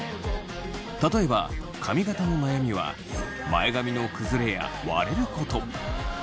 例えば髪形の悩みは前髪の崩れや割れること。